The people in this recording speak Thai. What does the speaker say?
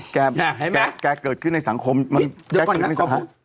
แกเกิดขึ้นในสังคมมันแกเกิดขึ้นในสังคมมันเฮ้ยเดี๋ยวก่อนนะครับ